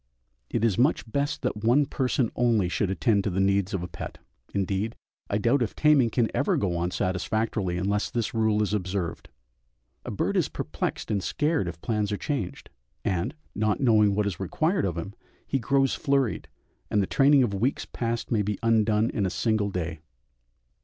It is much best that one person only should attend to the needs of a pet; indeed, I doubt if taming can ever go on satisfactorily unless this rule is observed; a bird is perplexed and scared if plans are changed, and, not knowing what is required of him, he grows flurried, and the training of weeks past may be undone in a single day.